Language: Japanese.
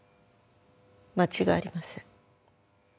間違いありません。